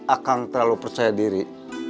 akang terlalu percaya diri